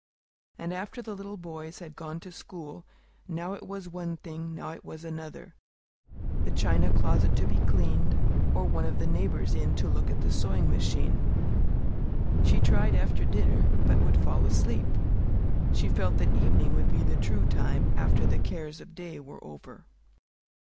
And after the little boys had gone to school, now it was one thing, now it was another, the china closet to be cleaned, or one of the neighbors in to look at the sewing machine. She tried after dinner, but would fall asleep. She felt that evening would be the true time, after the cares of day were over.